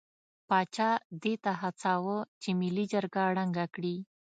پاچا دې ته هڅاوه چې ملي جرګه ړنګه کړي.